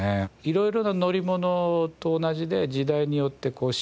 色々な乗り物と同じで時代によって進化していく。